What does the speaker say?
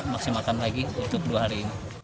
maksimalkan lagi untuk dua hari ini